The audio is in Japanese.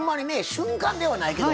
瞬間ではないけど。